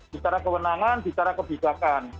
bicara kewenangan bicara kebijakan